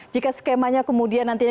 jika skemanya kemudian nantinya